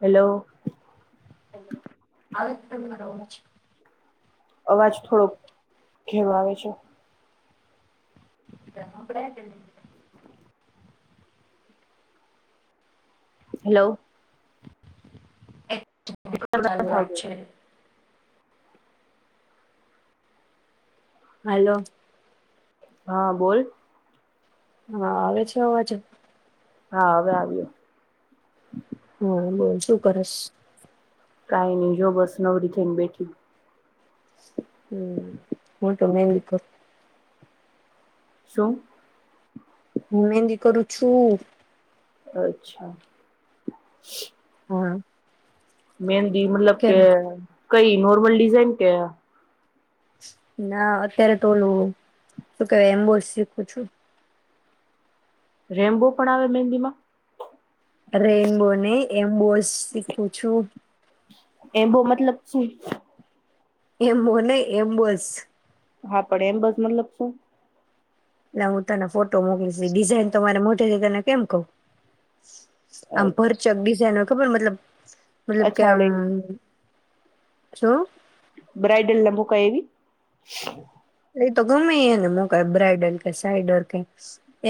Hello [inaudible] છે અવાજ થોડોક ઘેરો આવે છે. [inaudible] હેલો. નથી ચાલુ રાખ આવતો. છે. હાલો. હા બોલ. હા આવે છે અવાજ. હા હવે આવ્યો. હા બોલ શું કરશ. કઈ નહી જો બસ નવરી થઈને બેઠી. હું તો મહેંદી મુકું. [unintelligible] શું. હું મેહંદી કરું છું. અચ્છા. હા. મેન મતલબ કેમ કે કઈ નોર્મલ ડિઝાઇન કે ના અત્યારે તો ઓલું શું કેવાય એબોસ શીખું છું. રૈનબો પડાવે મહેંદીમાં. એમ બોલ શીખું છું. એ બો મતલબ સુ એમ હો નાઈ એમબોસ. હા પણ એમ્બઝ મતલબ શું ના હું તને ફોટ ટો મોકલીસ ઈ ડિઝાઇન તો મારે મોટ એલી તને કેમ કવ? આમ ભરચક ડિઝાઇન હોય ખબર મતલબ મતલબ કે અચ્છા લ આમ શું બ્રાઇડલ ને મુકાય એવી ઈ તો ગમે એને મુકાઈ બ્રાઇડલ કે સાઈડર કે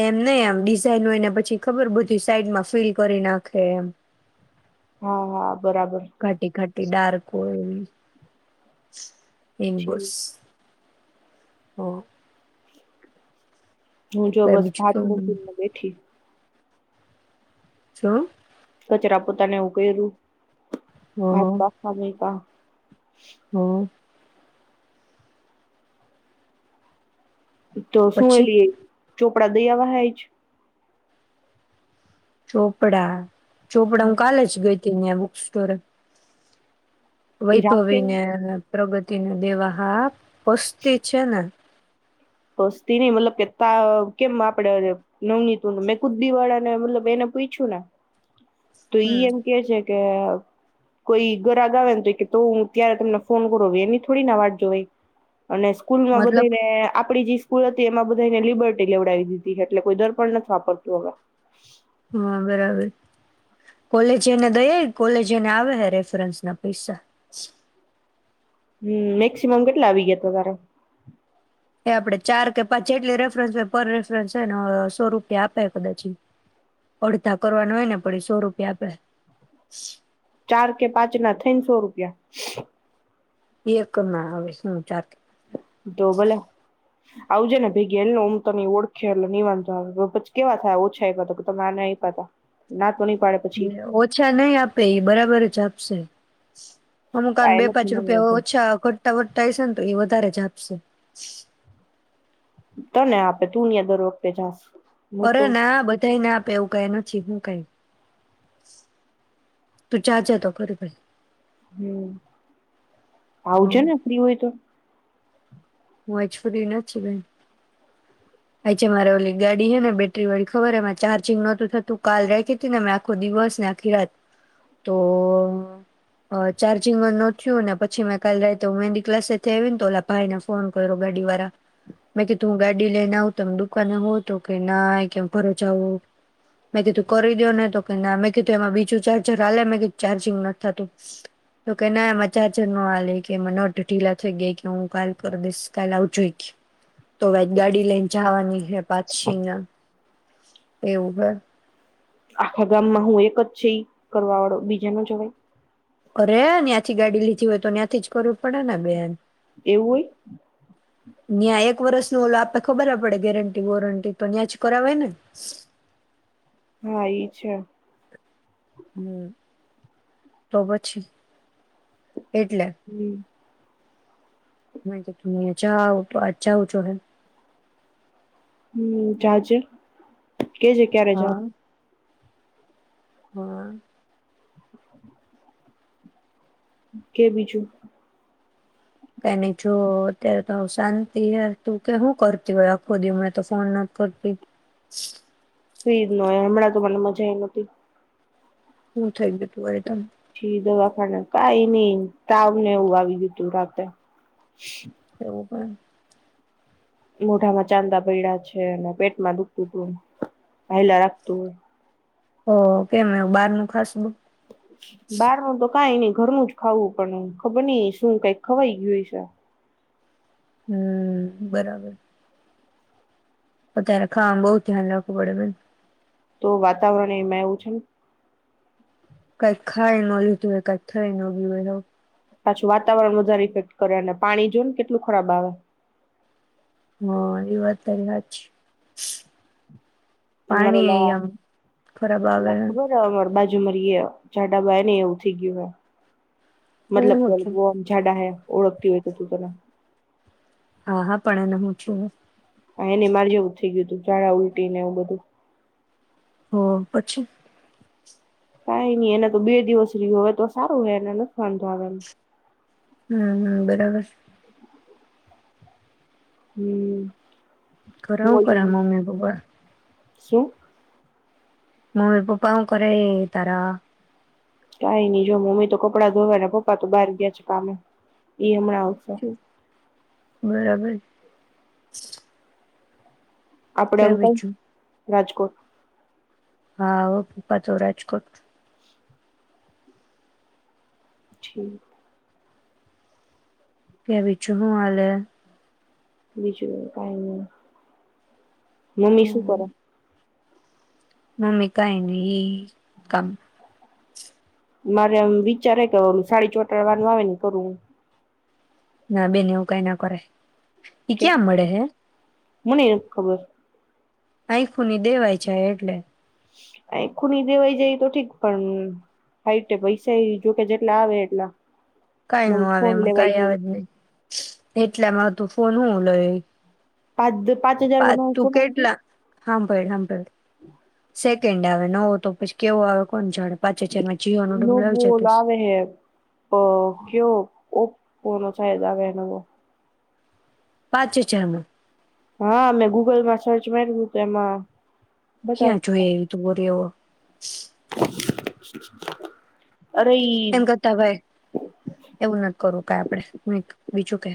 એમ નઈ એમ ડિઝઇન હોય ને પછી ખબર બધી સાઈડમાં ફિલ કરી નાખે એમ હા હા બરાબર ઘાટી ઘાટી ડાર્ક હોય એમ્બોઝ ઠીક. હ હું જો કઈ બસ ભાત બીજું મૂકીને બેઠી. શું? કચરા પોતાને એવું કર્યું. ભાત જો બાફવા મૂયકા. હ. તો શું પછી અલી. ચોપડા દઈ આવા હ એ જ. ચોપડા. ચોપડા જ હું કાલે જ ગઈત. ત્યાં બુક સ્ટોરે. એ રાખે વૈભવીને. પ્રગતિ ન દેવા હા. પસ્તી છે ને. પસ્તીની મતલબ કે ત કેમ આપડે નવનીતુ ન મેં કુદદી વાળા ને મતલબ એને પૂછ્યું ને. તો ઈ હમ એમ કે છે કે કોઈ ગરાગ આવ ને તો કે તો હું ત્યારે તમને ફોન કરુ હવે એની થોડી ના વાટ જોવાઈ. અને સ્કૂલમાં મતલબ બધાયને આપડી જે સ્કૂલ હતી એમાં બધાયને લિબર્ટી લેવડાવી દીધી એટલે કોઈ દર્પણ નથ વાપરતું હવે. હા બરાબર કોલેજ એને દઈ કોલેજ એને આવે હે રેફરન્સના પૈસા. હમ મેક્સિમમ કેટલા આવી ગયા તમારા. એ આપડે ચાર કે પાંચ જેટલી રેફરન્સ હો પર રેફરન્સ છેને સો રૂપિયા આપે કદાચી અડધા કરવાનું હોયને પણ એ સો રૂપિયા આપે. ચાર કે પાંચના થઈને સો રૂપિયા. એક ના આવે શું ચારથી. તો ભલે. આવજે ને ભેગી હાલને હું તને ઓળખે એટલે ની વાંધો આવે પછ કેવા થાય ઓછા આયપા તો કે તમે આને આયપાતા ના તો ની પાડે પછી લે ઓછા નહી આપે એ બરાબર જ આપ શે. અમુકાન આ બે એને પાંચ રૂપિયા ઓછા ઘટતા વટતા હૈસને તો એ બધ ત્યારે જ આપશે. તને આપે તું ન્યાં દર વખતે જાસ. હું અરે તો ના બધાય ના આપે એવું કઈ નથી. હું. કંઈ તું જાજેતો ખરે ભાઈ. હમ્મ હ. આવજેને ફ્રી હોય તો. વાયે છોડી ના જવાય. થાય છે મારે ઓલી ગાડી હે ને બેટરી વાળી ખબર એમા ચાર્જિંગ નહોતું થતું કાલ રાયખી તી ને મે આખો દિવસ ને આખી રાત તો અ ચાર્જિંગ નો થિયું ને પછી મે કાલ રાયતે હુ મેંદી ક્લાસે થી આયવીને તો ઓલા ભાઈને ફોન કયરો ગાડી વાળા મેં કીધું હું ગાડી લઈને આવું તમ દુકાને હોવ તો કે ના કેમ ઘરે જવું મેં કીધું કરી દ્યો ને તો કે ના મેં કીધું એમાં બીજું ચાર્જર હાલે મેં ચાર્જિંગ નથ થાતું તો કે ના એમાં ચાર્જર ન હાલે એ કે એમાં નટ ઢીલા થઈ ગાય કે હું કાલ કરી દઈશ કાલ આવજો એ કે તો ગાડી લઈને જાવાની હે. પાછીંના એવું હે. આખા ગામમાં હું એક જ છે ઈ કરવા વાળો બીજા ન જોવાય. કરે હે ન્યાંથી ગાડી લીધી હોય તો ન્યાંથી જ કરવું પડે ને બેન. એવું હોય? ન્યાં એક વરસ ન ઓલો આપે ખબર પડે ગેરંટી વોરંટી તો ન્યાં જ કરાવાય ને. હા ઈ છે. હમ્મ તો પછી. એટલે [inaudible] નહી તો તું નહીછા આવા [unintelligible] આવ છો હે હમ ચાર્જે કે જે ક્યારે હા જાઓ હા. કે બીજું? કાઈ નહીં જો અત્યારે તો શાંતિ, તું કે હું કરતી હોય આખો દિ માંને તો ફોન નથ કરતી. ફ્રી જ નો હોય, હમણાં તો મને મજા એ નોતી. હું થઈ ગયું તું વળી તમને? પછી દવાખાને કાંઈ નઈ તાવને એવું આવી ગયું હતું રાતે. એવું પણ. મોઢામાં ચાંદા પયડાં છે ને પેટમાં દુખતું તું ને, હયલા રાખતું હોય. ઓહ કેમ એવું બહાર નું ખાસ બોઉ? બહાર નું તો કાંઈ નહિં ઘરનું જ ખાવું પણ ખબર નઈ શું કાંઈ ખવાઈ ગયું હશે. હમ્મ બરાબર. અત્યારે ખાવામાં બહું ધ્યાન રાખવું પડે બેન. તો વાતાવરણ એમાં એવું છે. કાંઈ ખાઈ ન લીધું હો કાંઈક થઈ ન ગયું હોય. પાછું વાતાવરણ વધારે ઇફેક્ટ કરે અને પાણી જો ને કેટલું ખરાબ આવે. હા એ વાત તારી હાચી. અમારે પાણી ઓલા એ આમ ખરાબ આવે હે. મરીએ જાડા બાયનેય એવું થઈ ગયું હે. મતલબ કે હું છું બહું આમ જાડા હે. ઓળખતી હોય તો તું પેલા. હા-હા પણ એને હું થયું હે. હા એને માર જેવું જ થઈ ગયું તું ઝાડા ઉલટી ને એવું બધું. હા પછી? કાંઈ નહી એને તો બે દિવસ રહ્યું હવે તો સારું હોય એને નથ વાંધો આવે એમ. હમ્મ-હમ્મ બરાબર છે. હમ્મ. કરાવ કરામ મમ્મી પપ્પા શું? મમ્મી પપ્પા હું કરે હે તારા? કાઈ નઈ, જો મમ્મી તો કપડાં ધોવા ને પપ્પા તો બહાર ગયા છે કામે, એ હમણાં [unintelligible] મે બી. આપડે અંકલ રાજકોટ હા, હો પપ્પા તો રાજકોટ છે. કે આવી છું હું હાલે બીજું કાઈ નઈ. મમ્મી શું કરે? મમ્મી કાઇની જ કામ મારે આમ વિચારે હે કે સાડી ચોંટાડવાનું આવે ન, ઈ કરું. ના બેન, એવું કઈ ના કરાય. એ કે ક્યાં મળે હે? મને એક ખબર આંઈ ખૂની દેવાય જાય એટલે. આંઈ ખુની દેવાઈ જાય એ તો ઠીક, પણ હાઈ તે પૈસા જોકે જેટલા આવે એટલા. કાંઈ ન નવો આવે ફોન એમાં, લેવાઈ કાંઈ આવે જાય એટલામાં તું ફોન હું લય. પાદ્ પાંચ હજારમાં ના બનાવી દે? હાંભયળ હાંભયળ હમ સેકન્ડ આવે નવો તો પછી કેવો આવે કોણ જાણે પાંચ હજારમાં જીઓ નો ડબલું નવો આવી જતું ઓલો હશે. આવે હે અ કયો ઓપ પોનો શાયદ આવે હે નવો પાંચ હજારમાં હા મેં ગૂગલમાં સર્ચ માર્યું તુ તો એમાં બતાવ ક્યાં જોઈ આયવી તુ વરી એવો [inaudible] [inaudible] ઈ એના કરતા ભાઈ એવું નથી કરું કય આપણે મૂઈક બીજું કે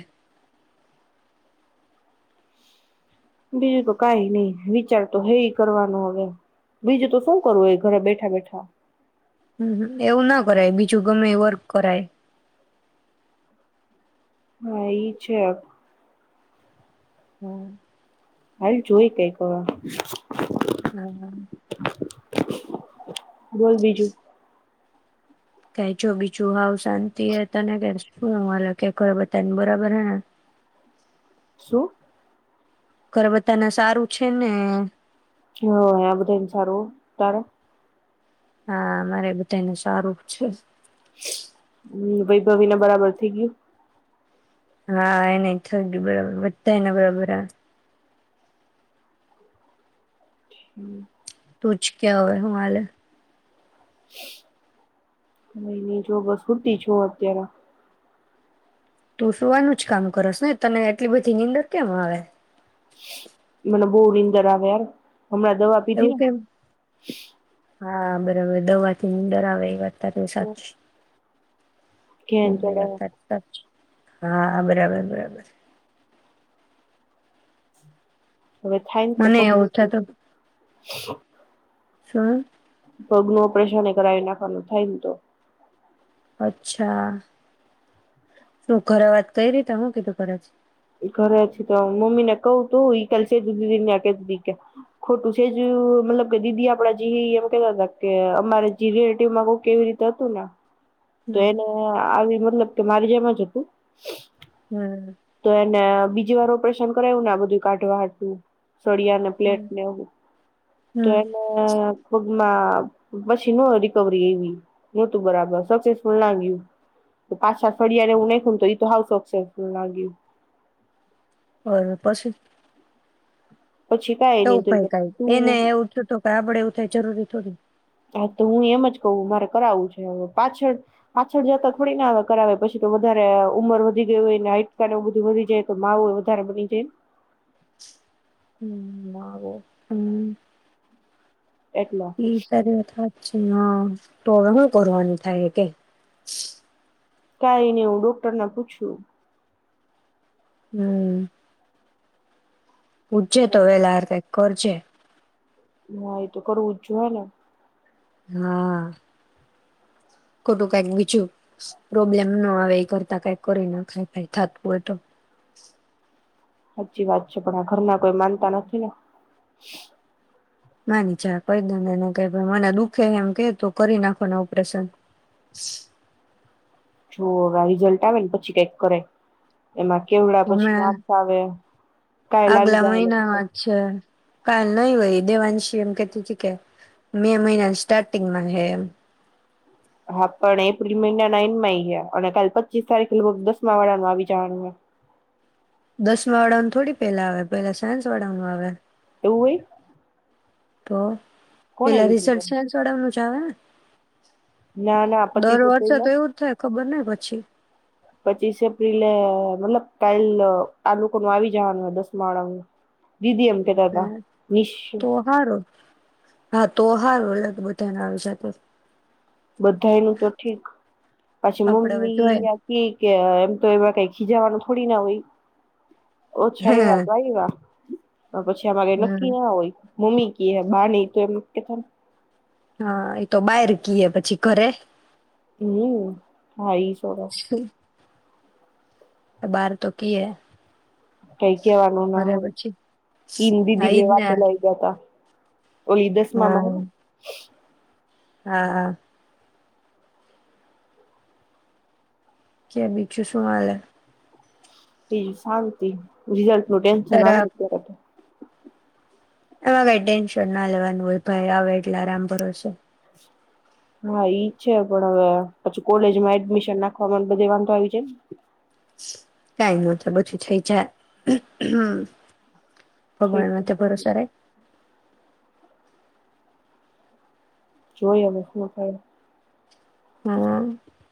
બીજું તો કઈ નઈ વિચાર તો હે કરવાનું હવે બીજું તો શું કરવું એ ઘરે બેઠા બેઠા હમ એવું ના કરાય બીજું ગમે ઈ વર્ક કરાય હા એ છે [inaudible] હાલ જોઈ કઈક હમ બોલ બીજું કઈ જો બીજું હાવ શાંતિ હે તને કે શું હાલે કે ઘરે બતાને બરાબર હે ને શું? ઘરે બધાને સારું છે ને. હ આ બધાને સારું તારે. હા મારે બધાને સારું છે. હમ ભાઈ ભવ ના બરાબર થઈ ગયું. હા એને થઈ ગય બરાબર વધતા એને બરાબર. તુ જ કે હવે હું હાલે? કઈ જો બસ સુતી છું અત્યારે તું સુવાનું જ કામ કરસ ને તને એટલી બધી નીંદર કેમ આવે. મને બવ નીંદર આવે યાર. હમણાં દવા પીધી એવું ને. કેમ હા બરાબર દવાથી નીંદર આવે એ વાત તારી સાચી. ઘેન હમ એ ચડે વાત તારી સાચી. હા બરાબર બરાબર. હવે થાય ને તો મને પગ એવું નું થતું શું. પગ ન ઓપરેશન એ કરાવી નાખવાનું થાય ને તો. અચ્છા શું ઘરે વાત કઈ રીતે હું કીધું ઘરેથી? ઘરેથી તો મમ્મી ને કવું તું ઈ ક સેજુ દીદી કતીી કે ખોટું સેજ મતલબ કે દીદી આપડા જે એમ કેતા હતા કે અમારે જે રિલેટિવમાં કો કેવી રીતે હતું ને. તો હમ્મ એને આવી મતલબ કે મારે જેમાં જ હતું. હમ. તો એને બીજી વાર ઓપરેશન કરાવું ને આ બધું કાઢવા હાટુ. સોડિયાને હમ્મ પ્લેટને એવું તો હમ્મ એને ખુબ માં પછી નો રિકવરી આયવી નહોતું બરાબર સક્સેસફુલ નાા ગ્યું પાછા ફળિયા ને એવુ નાખ્યું ને તો એ તો હવે સક્સેસફુલ ના ગ્યું. હ પછી. પછી કાઈ તો ની ભાઈ ક એને તું એવું થ તો આપડે એવું થાય જરૂરી થોડી હા તો હું એમ જ કહ મારે કરાવવું છે હવે પાછળ પાછળ જતા થોડી નાને હવે કરાવે પછી તો વધારે ઉંમર વધી ગઈ હોયને હટકાવ બધું વધી જાય તો માવુંય વધારે બની જાય હમ્મ [unintelligible] હમ્મ. એટલા ઠી કર્યો થ હા તો હવે હું કરવાનું થાય કે કઈ નને હું ડોક્ટરને પૂછું. હમ્મ. પૂછજે તો વે લાર કઈક કરજે. હ એ તો કરવું જ જોવાના હા. ખોટું કઈક બીજું પ્રોબ્લેમ ના આવે એ કરતા કઈક કરી નાખાય કઈ થતું હો તો. સાચી વાત છે પણ આ ઘરના કોઈ માનતા નથી ને. માની ચા કઈ દ ન ક મને દુઃખે એમ કે ત કરી નાખોને ઓપરેશન. જો આ રીઝલ્ટ આવે ને પછી કઈક કરાય. એમાં કેવડા પછી હમણાં માખ આવે કઈ લાગી આગલા જાય મહિનામાં જ છે કાલ નહી હોય, દેવાંશિ એમ કેહતી તી કે મે મહિનાની સ્ટાર્ટિંગમાં હે એમ. હા પણ એપ્રિલ મહિનાના એન્ડમાં એયે ગયા અને કાલે પચીસ તારીખનું દસમા વાળા નું આવી જવાનું. દસમા વાળા નું થોડું પેલા આવે, પેલા સાયન્સ વાળાનું આવે. એવું હોય. તો. કોને પેલા કીધું રિઝલ્ટ સાયન્સ વાડાનું ચાલને તને ના ના દર પચીસ વર્ષે એપ્રિલ તો એવું જ થાય, ખબર નહીં પછી. પચીસ એપ્રિલે મતલબ કાલ, આ લોકોનું આવી જવાનું દસમાં વાળાનું. દીદી એમ કહેતા તા. [unintelligible] તો હારો હા તો હારું અલગ બધાના આવી જાતેજ. બધાએયે નું તો ઠીક, પાછી આપડે હવે જોય મમ્મી કેયેતી કે, એમ તો એમાં કઈ ખીજાવાનું થોડી ના હોય. ઓછા હા આયવા તો આયવા. અહ પછી અમારે હમ નક્કી ના હોય. મમ્મી કેયે, બાને કેયે એમ કેતા હતા. હા એતો બાહિર કીયે પછી ઘરે હમ્મ હા ઈજ [unintelligible] બાર તો કિયે કઈ કેવાનું ના હોય, ઈને હા દીદી ઈજ બે ને વાતે લાગ્યાતા હતા. ઓલી દસમામાં હો હાઅઅ. કે બીજું શું હાલે? એ સતી રિઝલ્ટ બો ટેન્શન ના લે તારા અત્યારે. આમાં કંઈ ટેન્શન ના લેવાનું હોય, ભાઈ આવે એટલા રામ ભરોસે. હા ઈજ છે પણ હવે પછી કોલેજમાં એડમિશન નાખવામાંનું બધે વાંધો આવી જાય. કાઈ નઈ એ તો બધું થઈ જાય. ને ભગવાન માથે થઈ ભરોસો રાખ જોયે હવે હું થાઈ. [unintelligible]